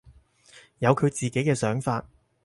有佢自己嘅想法